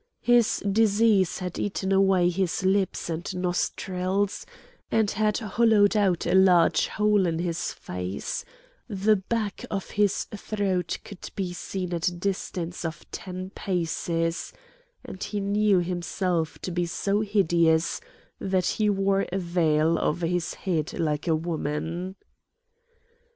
His disease had eaten away his lips and nostrils, and had hollowed out a large hole in his face; the back of his throat could be seen at a distance of ten paces, and he knew himself to be so hideous that he wore a veil over his head like a woman.